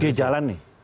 dia jalan nih